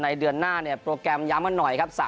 ในเดือนหน้าโปรแกรมย้ำหน่อยครับ